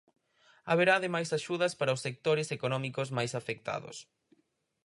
Haberá ademais axudas para os sectores económicos máis afectados.